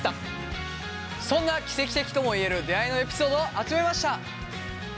そんな奇跡的ともいえる出会いのエピソードを集めました。